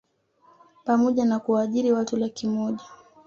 pamoja na kuwaajiri watu laki moja